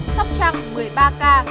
sóc trăng một mươi ba ca